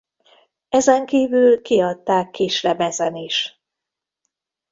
Ezenkívül kiadták kislemezen is.